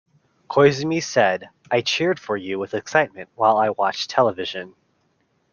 Koizumi said, I cheered for you with excitement while I watched television.